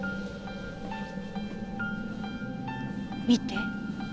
見て。